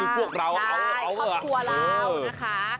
พวกเราอาวเวอร์คอสตรัสครัวเรานะคะ